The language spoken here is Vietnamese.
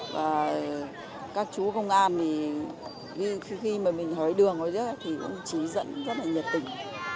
và các chú công an thì khi mà mình hỡi đường hồi trước thì cũng chỉ dẫn rất là nhật tình